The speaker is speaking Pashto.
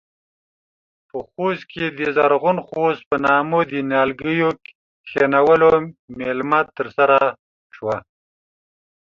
په خوست کې د زرغون خوست په نامه د نيالګيو کښېنولو مېلمه ترسره شوه.